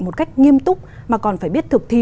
một cách nghiêm túc mà còn phải biết thực thi